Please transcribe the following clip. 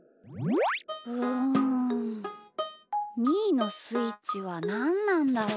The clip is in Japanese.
うんみーのスイッチはなんなんだろう？